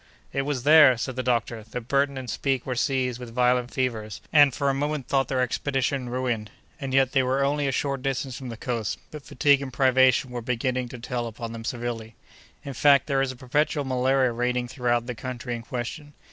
"It was there," said the doctor, "that Burton and Speke were seized with violent fevers, and for a moment thought their expedition ruined. And yet they were only a short distance from the coast, but fatigue and privation were beginning to tell upon them severely." In fact, there is a perpetual malaria reigning throughout the country in question.